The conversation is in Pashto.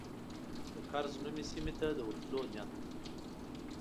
د کرز نومي سیمې ته د ورتلو نیت و.